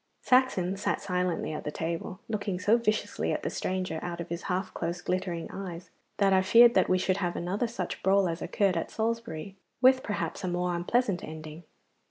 Saxon sat silently at the table, looking so viciously at the stranger out of his half closed glittering eyes that I feared that we should have another such brawl as occurred at Salisbury, with perhaps a more unpleasant ending.